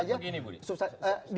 saya sih melihatnya begini budi